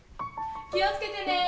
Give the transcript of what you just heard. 気を付けてね。